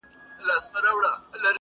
هر مېړه یې تر برېتو په وینو سور دی!